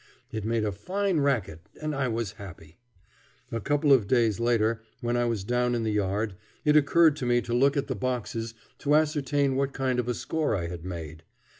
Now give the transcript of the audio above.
It made a fine racket, and I was happy. A couple of days later, when I was down in the yard, it occurred to me to look at the boxes to ascertain what kind of a score I had made.